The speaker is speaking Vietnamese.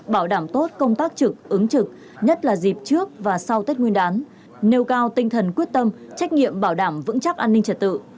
bảo đảm tốt công tác trực ứng trực nhất là dịp trước và sau tết nguyên đán nêu cao tinh thần quyết tâm trách nhiệm bảo đảm vững chắc an ninh trật tự